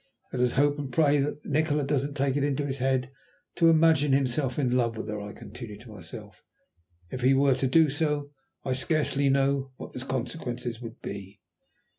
"Let us hope and pray that Nikola doesn't take it into his head to imagine himself in love with her," I continued to myself. "If he were to do so I scarcely know what the consequences would be."